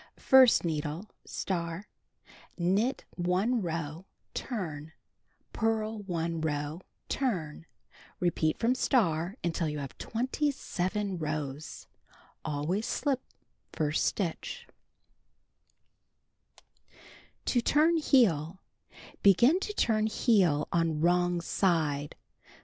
First needle (*): Knit 1 row, turn. Purl 1 row, turn. Repeat from (*) until you have 27 rows. Always slip first stitch. To Turn Heel: Begin to turn heel on wrong side.